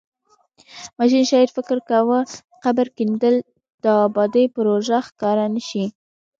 ماشین شاید فکر کاوه قبر کیندل د ابادۍ پروژه ښکاره نشي.